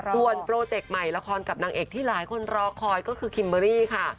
ส่วนโปรเจกต์ใหม่ละครกับนางเอกที่หลายคนรอคอยก็คือคิมเบอรี่ค่ะ